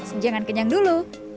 eh jangan kenyang dulu